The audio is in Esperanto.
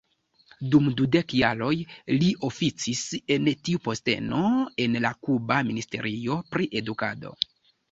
Dum dudek jaroj, li oficis en tiu posteno en la Kuba Ministerio pri Edukado.